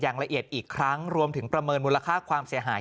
อย่างละเอียดอีกครั้งรวมถึงประเมินมูลค่าความเสียหาย